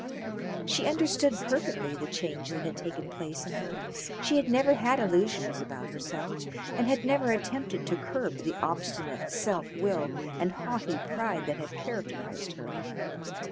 She understood perfectly the change that had taken place in her. She had never had any illusions about herself, and had never attempted to curb the obstinate self will and haughty pride that had characterized her.